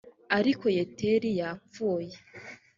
ariko yeteri yapfuye